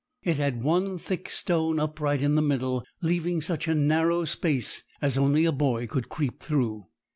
It had one thick stone upright in the middle, leaving such a narrow space as only a boy could creep through.